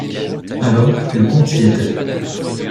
Alors, le compte y était.